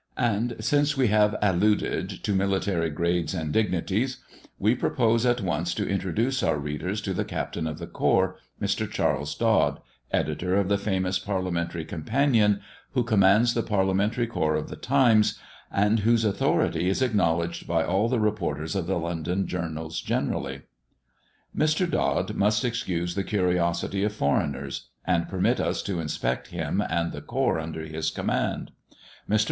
And since we have alluded to military grades and dignities, we propose at once to introduce our readers to the captain of the corps, Mr. Charles Dod, editor of the famous Parliamentary Companion, who commands the Parliamentary corps of the Times, and whose authority is acknowledged by all the reporters of the London journals generally. Mr. Dod must excuse the curiosity of foreigners, and permit us to inspect him and the corps under his command. Mr.